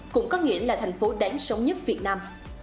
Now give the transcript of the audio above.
cũng có nghĩa là thành phố đáng sống nhất việt nam